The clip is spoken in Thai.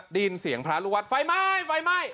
ได้ยินเสียงพระลูกวัดไฟไหม้ไฟไหม้